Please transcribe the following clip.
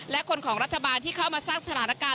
และคนของรัฐบาลที่เข้ามาสร้างสถานการณ์